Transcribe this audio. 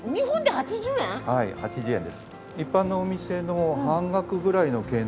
８０円です。